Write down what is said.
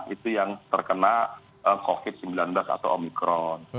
itu yang terkena covid sembilan belas atau omikron